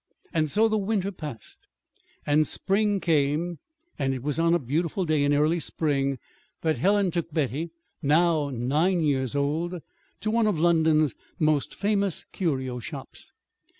And so the winter passed and spring came; and it was on a beautiful day in early spring that Helen took Betty (now nine years old) to one of London's most famous curio shops.